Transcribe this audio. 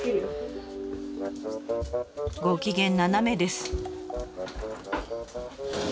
ご機嫌斜めです。